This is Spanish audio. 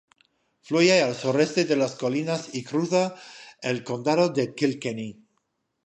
Fluye al sureste de las colinas y cruza el condado de Kilkenny.